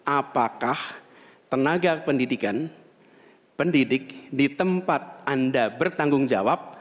apakah tenaga pendidikan pendidik di tempat anda bertanggung jawab